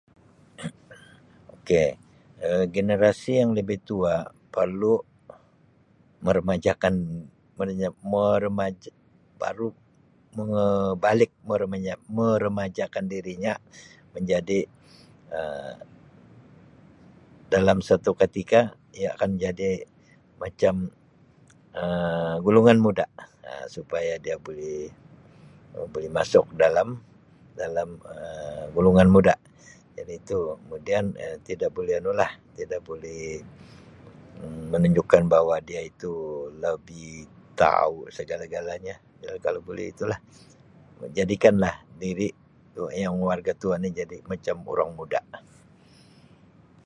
Ok. Um Generasi yang lebih tua parlu meremajakan merenya- meremaj- parlu me- balik meremanya- meremajakan dirinya menjadi Um dalam suatu ketika ia akan menjadi macam Um golongan muda Um supaya dia boleh Um boleh masuk dalam dalam- Um golongan muda. Jadi tu kemudian Um tida boleh anu lah. Tida boleh Um menunjukkan bahawa dia itu labih tau segala-galanya. Ya, kalau boleh itu lah. Jadikan lah diri Um yang warga tua ni jadi macam orang muda.